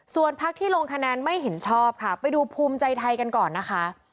ส่วนพักที่ลงคะแนนไม่เห็นชอบค่ะไปดูภูมิใจไทยกันก่อนนะคะ